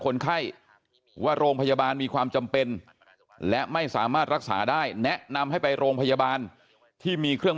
คนไข้ว่าโรงพยาบาลมีความจำเป็นและไม่สามารถรักษาได้แนะนำให้ไปโรงพยาบาลที่มีเครื่อง